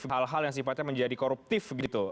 hal hal yang sifatnya menjadi koruptif gitu